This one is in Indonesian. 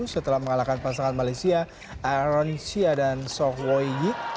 setelah mengalahkan pasangan malaysia aaron xia dan sok woyi